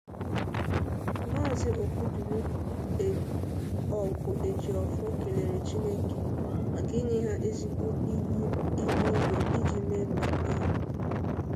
Maazị Okwudili Oguejiofor kèlèrè Chineke maka inye ha ezigbo ihu igwe iji mee mmemme ahụ